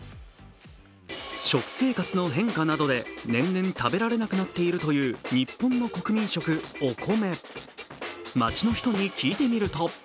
食生活の変化などで年々食べられなくなっているという日本の国民食、お米。